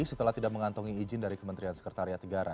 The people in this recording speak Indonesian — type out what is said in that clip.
setelah tidak mengantongi izin dari kementerian sekretariat negara